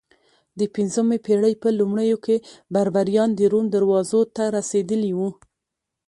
د پنځمې پېړۍ په لومړیو کې بربریان د روم دروازو ته رسېدلي وو